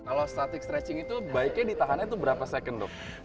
kalau static stretching itu baiknya ditahannya itu berapa second dok